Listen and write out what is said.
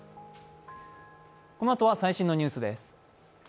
このあとは最新のニュースです。